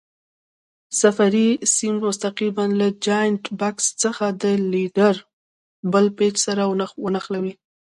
صفري سیم مستقیماً له جاینټ بکس څخه د ولډر بل پېچ سره ونښلوئ.